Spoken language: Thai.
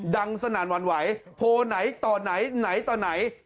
ดังสนานวรรณไหวโพลไหนต่อไหนไหนต่อไหน